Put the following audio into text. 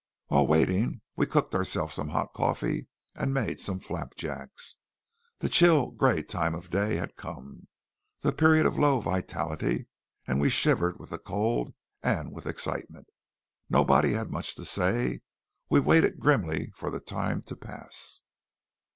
While waiting we cooked ourselves some hot coffee and made some flapjacks. The chill, gray time of day had come, the period of low vitality, and we shivered with the cold and with excitement. Nobody had much to say. We waited grimly for the time to pass.